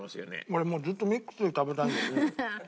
俺もうずっとミックスで食べたいんだよね。